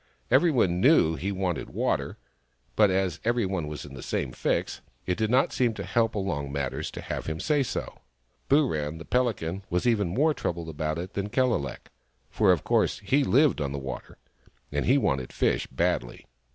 Every one knew that he wanted water, but as every one was in the same fix, it did not seem to help along matters to have him say so. Booran, the Pelican, THE FROG THAT LAUGHED 117 was even more troubled about it than Kellelek, for of course he Hvcd on the water, and he wanted fish badly.